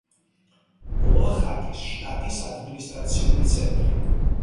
ოახაკის შტატის ადმინისტრაციული ცენტრი.